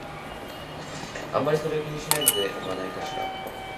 あまりそれを気にしないのではないかしら